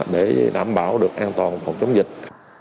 để đảm bảo được an toàn phòng chống dịch